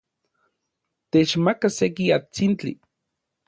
Techmaka seki atsintli.